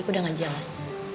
aku udah gak jelas